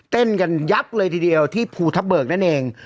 เต้นกันยับเลยทีเดียวที่ภูทับเบิกนั่นเอง